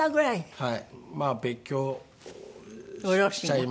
はい。